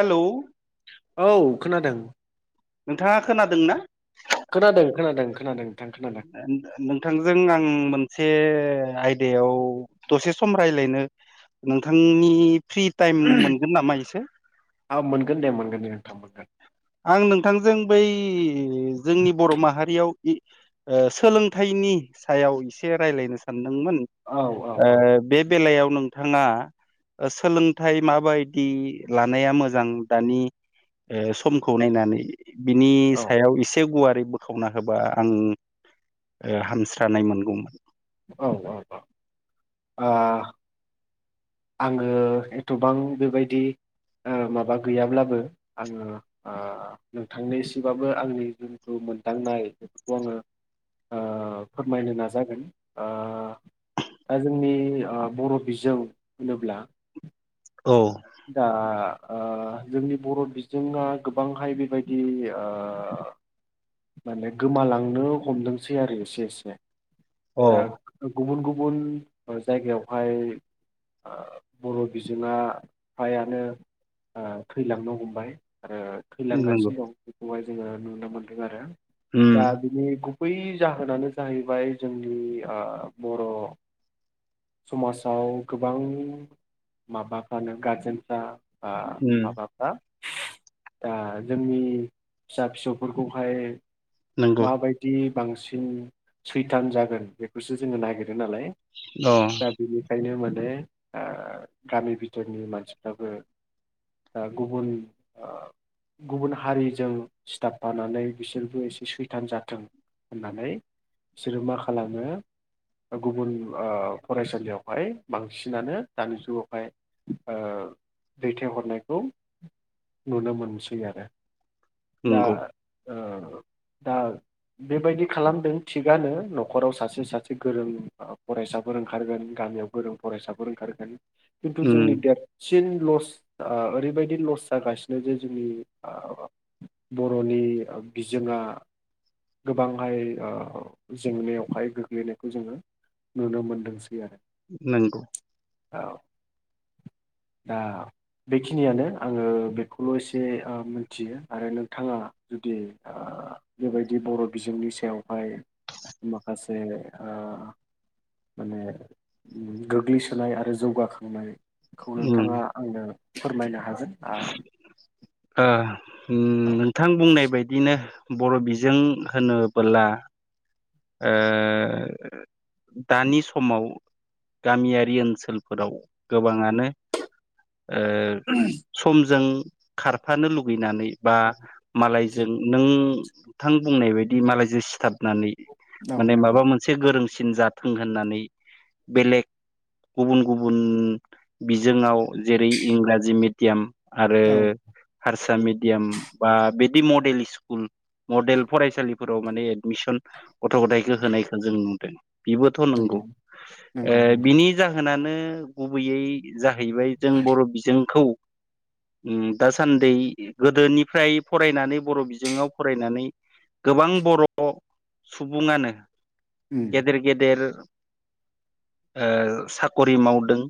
Hello औ खोनादों नोंथाङा खोनादोंना खोनादों खोनादों खोनादों खोनादों नोंथांजों आं मोनसे आइ बेयाव दसे सम रायलायनो नोंथांनि फ्रि टाइम मोनगोन नामा एसे। थाम मोनगोन। आं नोंथांजों बै जोंनि बर' माहारियाव ओ सोलोंथाइनि सायाव एसे रायलायनो सानो सानदोंमोन औ औ औ बे बेलायाव नोंथाङा सोलोंथाइ माबायदि लानाया मोजां दानि ओ सुबुं समखौ नायनानै बिनि औ सायाव इसे गुवार दैखो' खावना होबा आं ओ हामस्रानाय मोनगौमोन। औ औ औ ओ आङो एथबां बेबायदि, ओ माबा गैयाब्लाबो आङो ओ नोंथांनिसिबाबो आंनि मोनदांनाय बेफोरखौ आङो ओ फोरमायनो नाजागोन ओ दा जोंनि ओ बर' बिजों होनोब्ला? औ दा ओ जोंनि बर' बिजोङा गोबांहाय बेबायदि ओ माने गोमालांनो हमदोंसै आरो इसे इसे औ दा गुबुन गुबुन गुबुन जायगायावहाय ओ बर' बिजोङा बिफायानो ओ थैलांनो हमबाय आरो नंगौ थैलांगासिनो दं बेखौहाय जोङो नुनो मोनदों आरो उम दा बिनि बै जाहोनानो जाहैबाय जोंनि ओ बर'। समाजाव गोबां माबाफ्रानो गाज्रि। जों दा ओ उम माबाफ्रा, दा जोंनि फिसा फिसौफोरखौहाय नंगौ माबायदि बांसिन सैथान जागोन बेखौसो जोङो नागिरो नालाय। अ दा बिनिखायनो माने ओ [unintelligible] गामि बिथोरनि मानसिफ्राबो दा गुबुन ओ। गुबुन हारिजों सिथाबफानानै बिसोरबो एसे, सैथान जाथों होननानै बिसोरो मा खालामो गुबुन ओ फरायसालियावहाय बांसिनानो दानि जुगावहाय ओ दैथायहरनायखौ नुनो मोनसै आरो। दा नंगौ दाउ बेबायदि खालामदों थिगानो न'खराव सासे सासे गोरों फरायसाफोर ओंखारगोन गा गामियाव गोरों फरायसाफोर ओंखारगोन खिन्थु उम जोंनि देरसिन थिन लस ओ ओरैबायदि लस जागासिनो जे जोंनि [unintelligible] बर'नि बिजोङा गोबांहाय ओ जेंनायाव गोग्लैनायखौ जोङो नुनो मोनदोंसै आरो। नंगौ औ दा बेखिनियानो आङो बेखौल' एसे ओ मिथियो आरो नोंथाङा जुदि ओ बेबायदि बर' बिजोंनि सायावहाय माखासे ओ माने गोग्लैसोनाय आरो जौगाखांनाय, खौ उम नोंथाङा आंनो फोरमायनो हागोन आ ओ औ नोंथां बुंनाय बायदिनो बर' बिजों होनो, बोला ओ दानि समाव गामियारि ओनसोलफोराव गोबाङानो ओ समजों खारफानो लु लुबैनानै बा मालायजों नोंथां बुंनाय बायदि मालायजों सिथाबनानै औ माने नंगौ माबा मोनसे गोरोंसिन जाथों होननानै बेलेग गुबुन गुबुन बिजोङाव जेरै इंराजि मेडियाम आरो औ हारसा मेडियाम बा बिदि मडेल स्कुल मडेल फरायसालिफोराव माने एडमिसन गथ' गथायखौ होनायखौ जों नुदों बेबोथ' नंगौ नंगौ नंगौ बिनि जाहोनानो, गुबैयै जाहैबाय जों बर' बिजोंखौ उम दासान्दि गोदोनिफ्राय फरायनानै बर' बिजोङाव फरायनानै, गोबां बर' सुबुङानो उम गेदेर गेदेर, ओ साक'रि मावदों।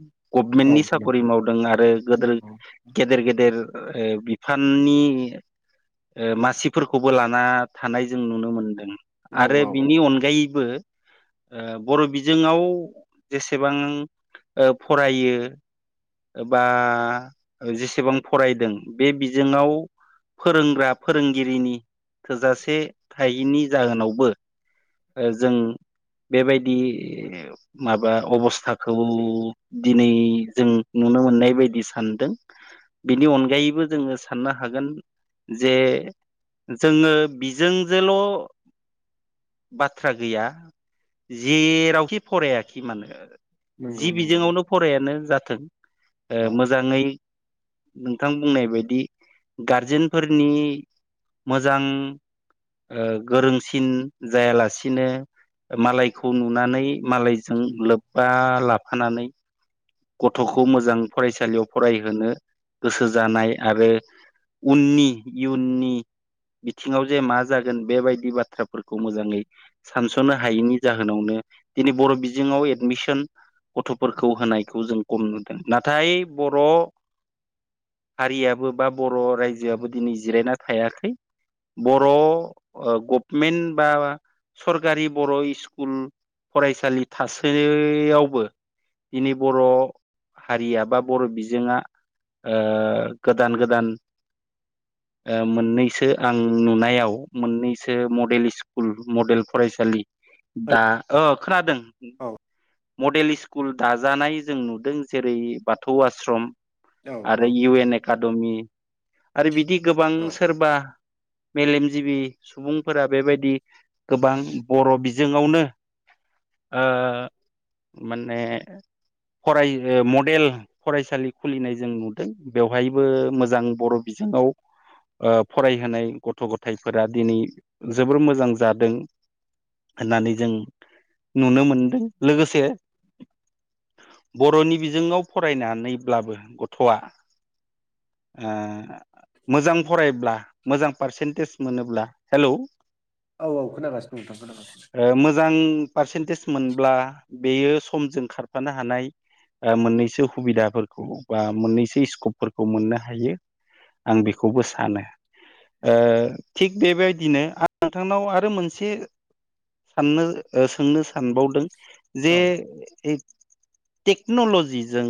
औ गभमेन्टनि साकरि नंगौ मावदों आरो गोदेर नंगौ गेदेर गेदेर ओ बिफाननि ओ मासिफोरखौबो लाना थानाय जों नुनो मोनदों। औ आरो औ औ बिनि अनगायैबो ओ बर बिजोंङाव जेसेबां- ओ फरायो बा जेसेबां फरायदों बे बिजोंङाव फोरोंग्रा फोरोंगिरिनि थोजासे थायैनि जाहोनावबो ओ जों बेबायदि माबा अबस्थाखौ दिनै जों नुनो मोननाय बायदि सानदों बिनि अनगायैबो जोंङो साननो हागोन जे जोंङो बिजों जोल' बाथ्रा गैया जेरावखि फरायाखै मानोे जि नंगौ नंगौ बिजोङावनो फरायानो जाथों ओ औ मोजांङै नोंथां बुंनाय बायदि गारजेनफोरनि मोजां ओ गोरोंसिन जायालासिनो मालायखौ नुनानै मालायजों उम लोब्बा लाफानानै गथ थखौ मोजां फरायसालियाव फरायहोनो गोसो जानाय आरो उननि युननि बिथिंङाव जे मा जागोन बेबायदि बाथ्राफोरखौ मोजांङै सानसनो हायैनि जाहोनावनो दिनै बर बिजोंङाव एडमिसन गथफोरखौ होनायखौ जों खम नुदों नाथाय बर' हारियाबो बा बर रायजोआबो दिनै जिरायना थायाखै। बर गभमेन्ट बा सरकारि बर स्कुल फरायसालि थासैयावबो दिनै बर' हारिया बा बर बिजोंङा ओ गोदान गोदान [inaudible] ओ मोननैसो आं नुनायाव मोननैसो मडेल स्कुल मडेल फरायसालि दा औ अ खोनादों। औ मडेल स्कुल दाजानाय जों नुदों जेरै बाथौ आस्श्रम औ आरो इउ एन एकाडेमि आरो बिदि गोबां औ सोरबा मेलेमजिबि सुबुंफोरा बेबायदि गोबां बर' बिजोंङावनो ओ माने फराय मडेल फरायसालि खुलिनाय जों नुदों बेवहायबो मोजां बर बिजोंङाव [unintelligible] ओ फरायहोनाय गथ गथायफोरा दिनै जोबोर मोजां जादों। होननानै जों नुनो मोनदों लोगोसे बरनि बिजोंङाव फरायनानैब्लाबो गथआ ओ मोजां फरायब्ला मोजां पारसेन्टेज मोनोब्ला हेलौ औ औ खोनागासिनो दां खोनागासिनो। ओ मोजां पारसेन्टेज मोनब्ला बेयो समजों खारफानो हानाय मोननैसो सुबिदाफोरखौ बा मोननैसो स्कपफोरखौ मोननो हायो। आं बेखौबो सानो। ओ थिग बेबायदिनो आं नोंथांनाव आरो मोनसे साननो सोंनो सानबावदों औ जे टेक्न'लजिजों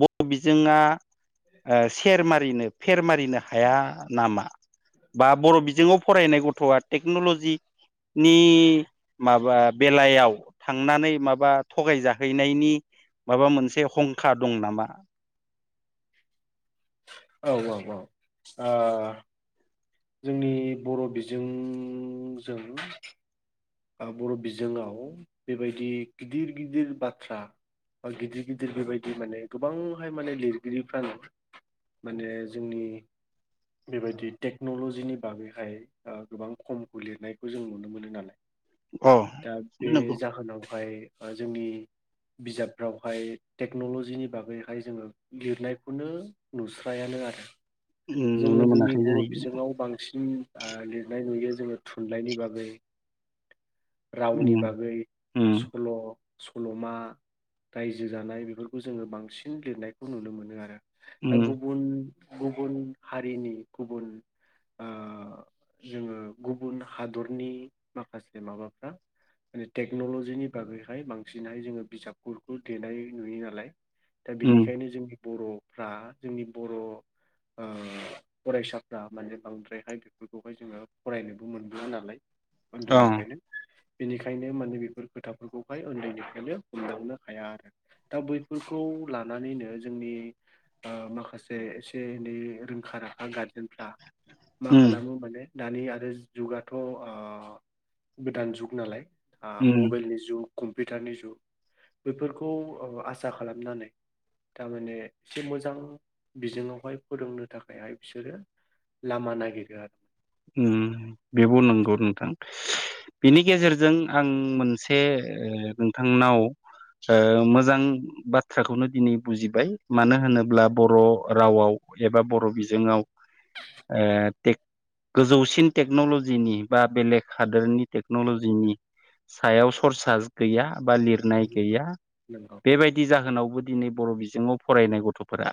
बर' बिजोंङा ओ सेर मारिनो फेर मारिनो हाया नामा? बा बर बिजोंङाव फरायनाय गथआ टेक्नलजि नि माबा बेलायाव थांनानै माबा थगायजाहैनायनि माबा मोनसे हंखा दं नामा? औ औ औ आ। जोंनि बर' बिजोंजों बर' बिजोङाव बेबायदि गिदिर गिदिर बाथ्रा बा गिदिर गिदिर बेबायदि माने गोबांहाय माने लिरगिरिफ्रानो माने जोंनि बेबायदि टेक्न'ल'जिनि बागैहाय आ गोबां खमखौ लिरनायखौ जों नुनो मोनो नालाय। अ दा बे नंगौ जाहोनावहाय ओ जोंनि बिजाबफ्रावहाय टेक्न'ल'जिनि बागैहाय जोङो लिरनायखौनो नुस्रायानो। आरो उम जोङो नुनो जोंनि मोनाखै बर' जाहैबाय बिजोङाव बांसिन आ लिरनाय नुयो जोङो थुनलाइनि बागै रावनि उम बागै उम सल' सल'मा रायजो जानाय बेफोरखौ जोङो बांसिन लिरनायखौ नुनो मोनो आरो। दा उम गुबुन गुबुन हारिनि गुबुन आ जोङो गुबुन हादरनि माखासे माबाफ्रा माने टेक्न'लजिनि बागैहाय बांसिनहाय जोङो बिजाबफोरखौ देनाय नुयो नालाय दा उम बिनिखायनो जोंनि बर'फ्रा जोंनि बर' ओ फरायसाफ्रा माने बांद्रायहाय बेफोरखौहाय जोङो फरायनोबो मोनबोया नालाय अ उन्दैनिफ्रायनो बेनिखायनो माने बेफोर खोथाफोरखौहाय उन्दैनिफ्रायनो हमदांनो हाया आरो। दा बैफोरखौ लानानैनो जोंनि माखासे एसे एनै रोंखा राखा जोंफ्रा मा उम खालामो माने दानि आरो जुगाथ' आ गोदान जुग नालाय आ उम मबाइलनि जुग। कम्पिउटारनि जुग बेफोरखौ ओ आसा खालामनानै थारमाने एसे मोजां बिजोङावहाय फोरोंनो थाखायहाय बिसोरो लामा नायगिरो आरो उम बेबो नंगौ नोंथां। बिनि गेजेरजों आं मोनसे नोंथांनाव ओ मोजां बाथ्राखौनो दिनै बुजिबाय मानो होनोब्ला बर' रावाव एबा बर' बिजोङाव ओ गोजौसिन टेक्न'लजिनि बा बेलेग हादोरनि टेक्न'ल'जिनि सायाव सरसा गैया बा लिरनाय गैया नंगौ बेबायदि जाहोनावबो दिनै बर' बिजोङाव फरायनाय गथ'फोरा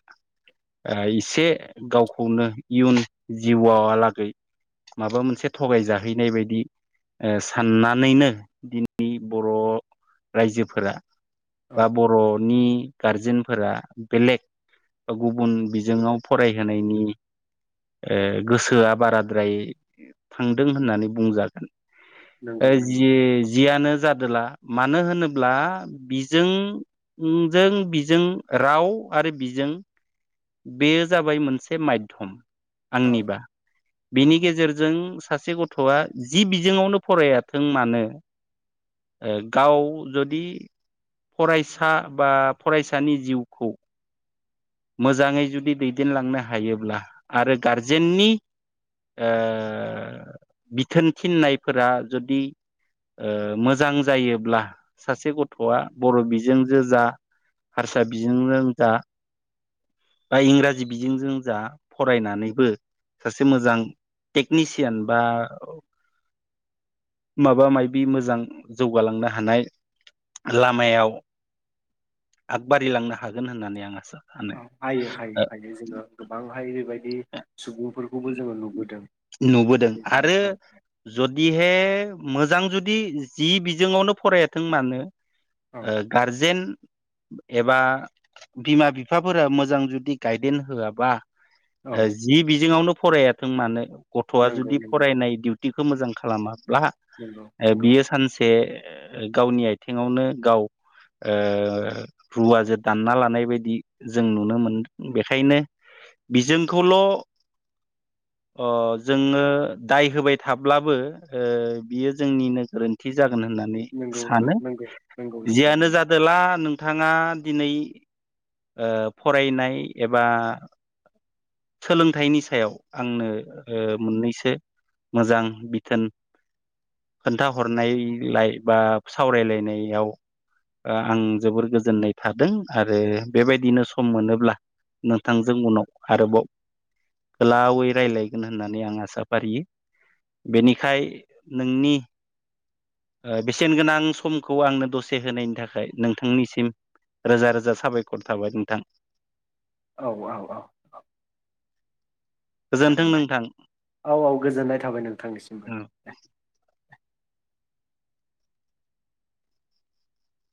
इसे गावखौनो इयुन जिउआवलागै माबा मोनसे थगायजाहैनाय बायदि साननानैनो दिनै बर' रायजोफोरा औ बा बर'नि गारजेनफोरा बेलेग बा गुबुन बिजोङाव फरायहोनायनि ओ गोसोआ बाराद्राय थांदों होननानै बुंजागोन। नंगौ नंगौ जि जियानो जादोला मानो होनोब्ला बिजों जों बिजों राव आरो बिजों बेयो जाबाय मोनसे मायधम। औ आंनिबा बिनि नंगौ गेजेरजों सासे ग थ'आ जि बिजोङावनो फरायाथों मानो ओ गाव जदि फरायसा बा फरायसानि जिउखौ मोजाङै जुदि दैदेनलांनो हायोब्ला आरो गारजेननि आं बिथोन थिननायफोरा जुदि ओ मोजां जायोब्ला सासे गथ'आ बर' बिजोंजो जा हारसा बिजोंजोंजा बा इंराजि बिजोंजों जा फरायनानैबो सासे मोजां टेकनिसियान बा माबा माबि मोजां जौगालांनो हानाय लामायाव आगबारिलांनो हागोन होननानै आं आसा सानो हायो हायो हायो जोङो गोबांहाय बेबायदि सुबुंफोरखौबो जोङो नुबोदों जेरैखालि औ बदे मोजां जुदि जि बिजोंयावनो फरायाथों मानो औ ओ गारजेन एबा बिमा बिफाफोरा मोजां जुदि गायदेन्स होआबा औ जि बिजोंयावनो फरायाथों मानो गथ'आ नंगौ जुदि नंगौ फरायनाय दिउ थिखौ मोजां खालामाब्ला नंगौ नंगौ बियो सानसे गावनि आथिङावनो गाव ओ रुवाजों दानना लानाय बायदि जों नुनो मोनदों बेखायनो बिजोंखौल' आं जोङो दाय होबाय थाब्लाबो बियो जोंनिनो गोरोन्थि जागोन होननानै नंगौ सानो नंगौ नंगौ नोंथां नंगौ जियानोजादोला नों नोंथाङा दिनै फरायनाय एबा सोलोंथाइनि सायाव आंनो ओ मोननैसो मोजां बिथोन खोन्थाहरनायलाय बा सावरायलायनायाव आं जोबोर गोजोननाय थादों आरो बेबायदिनो सम मोनोब्ला नोंथांजों उनाव आरोबाव गोलावै रायलायगोन होननानै आं आसा फारियो। बेनिखाय नोंनि बेसेनगोनां समखौ आंनो दसे होनायनि थाखाय नोंथांनिसिम रोजा रोजा साबायखर थाबाय नोंथां। औ-औ-औ-औ गोजोन्थों जागोन दे नोंथां औ औ गोजोननाय थाबाय नोंथांनिसिमबो ओ। दे